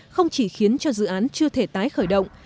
không chỉ khiến cho dự án chưa thể tái khởi động